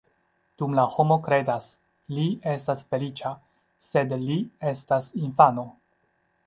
Dum la homo kredas, li estas feliĉa, sed li estas infano.